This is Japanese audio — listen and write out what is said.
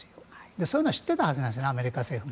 そういうのを知っていたはずなんですねアメリカ政府も。